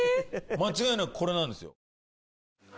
間違いなくこれなんですよ